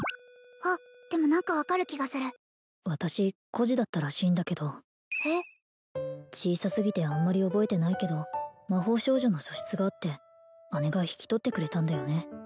あっでも何か分かる気がする私孤児だったらしいんだけどえっ小さすぎてあんまり覚えてないけど魔法少女の素質があって姉が引き取ってくれたんだよね